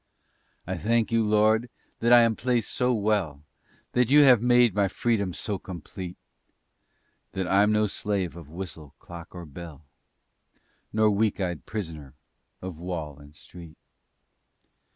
I thank You, Lord, that I am placed so well, That You have made my freedom so complete; That I'm no slave of whistle, clock or bell, Nor weak eyed prisoner of wall and street.